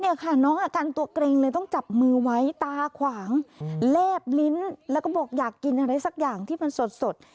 เนี่ยค่ะน้องอาการตัวเกร็งเลยต้องจับมือไว้ตาขวางแลบลิ้นแล้วก็บอกอยากกินอะไรสักอย่างที่มันสด